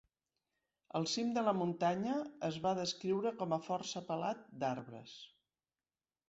El cim de la muntanya es va descriure com a força pelat d'arbres.